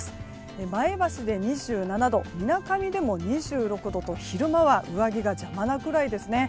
前橋で２７度みなかみでも２６度と昼間は上着が邪魔なくらいですね。